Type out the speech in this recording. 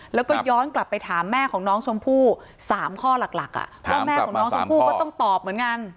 แล้วก็ย้อนกลับไปถามแม่ของน้องชมพู่๓ข้อหลักว่าแม่ของน้องชมพู่ก็ต้องตอบเหมือนกัน